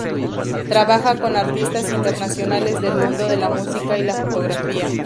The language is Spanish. Trabaja con artistas internacionales del mundo de la música y la fotografía.